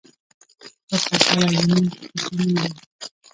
پرتګال او یونان پکې شامل دي.